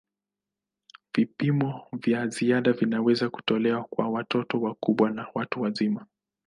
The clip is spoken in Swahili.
Vipimo vya ziada vinaweza kutolewa kwa watoto wakubwa na watu wazima.